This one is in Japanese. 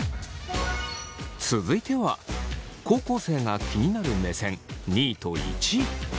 続いては高校生が気になる目線２位と１位。